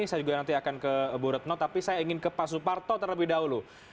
saya juga nanti akan ke bu retno tapi saya ingin ke pak suparto terlebih dahulu